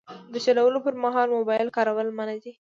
د چلولو پر مهال موبایل کارول منع دي.